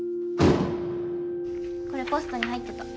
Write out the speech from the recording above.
これポストに入ってた。